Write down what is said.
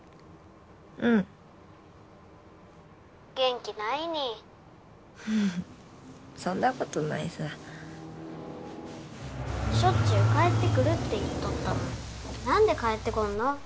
うん☎元気ないにそんなことないさ☎しょっちゅう帰ってくるって言っとったのに何で帰ってこんの？